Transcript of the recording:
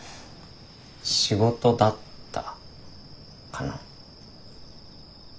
仕事だったかな。